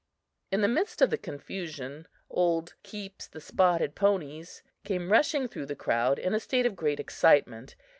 In the midst of the confusion, old "Keeps the Spotted Ponies" came rushing through the crowd in a state of great excitement.